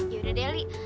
ya udah deh li